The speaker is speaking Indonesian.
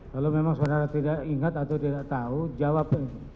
kalau memang saudara tidak ingat atau tidak tahu jawab